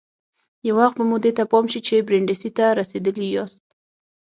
یو وخت به مو دې ته پام شي چې برېنډېسي ته رسېدلي یاست.